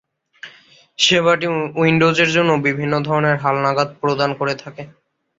সেবাটি উইন্ডোজের জন্য বিভিন্ন ধরনের হালনাগাদ প্রদান করে থাকে।